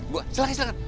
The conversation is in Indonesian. bu silakan silakan